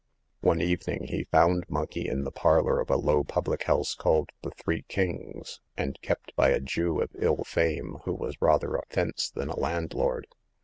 " One evening he found Monkey in the parlor of a low public house called the Three Kings, and kept by a Jew of ill fame, who was rather a fence than a landlord.